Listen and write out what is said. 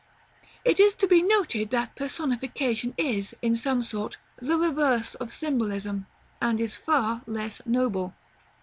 It is to be noted that personification is, in some sort, the reverse of symbolism, and is far less noble.